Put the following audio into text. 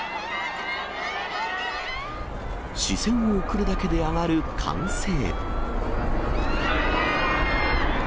視線を送るだけで上がる歓声。